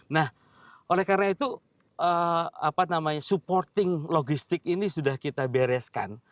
nah oleh karena itu supporting logistik ini sudah kita bereskan